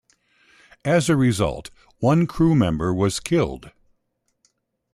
As a result, one crew member was killed.